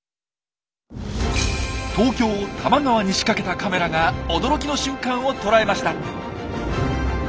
東京多摩川に仕掛けたカメラが驚きの瞬間を捉えました。